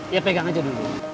ya pegang aja dulu